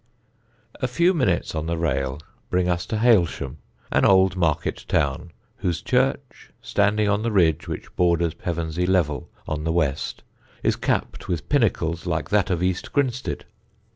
A few minutes on the rail bring us to Hailsham, an old market town, whose church, standing on the ridge which borders Pevensey Level on the west, is capped with pinnacles like that of East Grinstead.